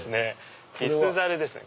リスザルですね。